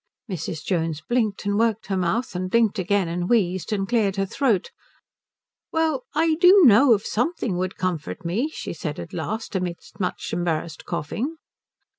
Mrs. Jones blinked and worked her mouth and blinked again and wheezed and cleared her throat. "Well, I do know of something would comfort me," she said at last, amid much embarrassed coughing.